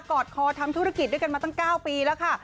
อดคอทำธุรกิจด้วยกันมาตั้ง๙ปีแล้วค่ะ